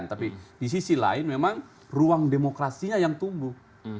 tapi di sisi lain memang ruang demokrasinya yang tumbuh